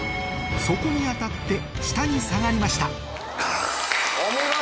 底に当たって下に下がりましたお見事！